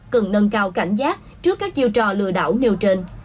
cần nâng cao cảnh giác trước các chiêu trò lừa đảo nêu trên